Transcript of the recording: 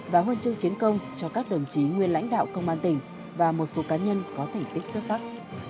và huân chương chiến công cho các đồng chí nguyên lãnh đạo công an tỉnh và một số cá nhân có thành tích xuất sắc